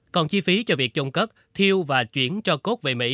còn chi phí cho việc trôn cất thiêu và chuyển cho cốt về mỹ